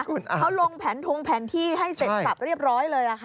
เขาลงแผนทงแผนที่ให้เสร็จสับเรียบร้อยเลยค่ะ